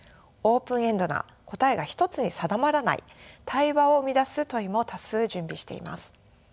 オープンエンドな答えが一つに定まらない対話を生み出す問いも多数準備しています。